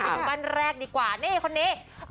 ดูบ้านแรกดีกว่านี่คนนี้